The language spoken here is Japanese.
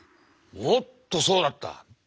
おっとそうだった。